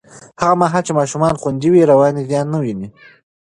هغه مهال چې ماشومان خوندي وي، رواني زیان نه ویني.